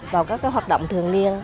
vào các cái hoạt động thường niên